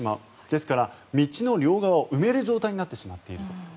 ですから、道の両側を埋める状態になってしまっていると。